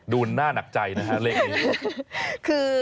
ดูหน้าหนักใจนะฮะเลขนี้